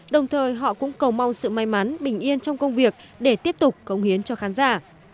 đồng thời họ cũng cầu mong sự may mắn bình yên trong công việc để tiếp tục cống hiến cho khán giả